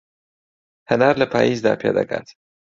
هەنار لە پایزدا پێدەگات